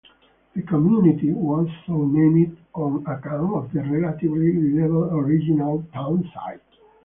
The community was so named on account of the relatively level original town site.